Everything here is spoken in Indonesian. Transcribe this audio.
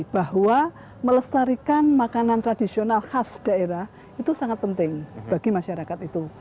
bahwa melestarikan makanan tradisional khas daerah itu sangat penting bagi masyarakat itu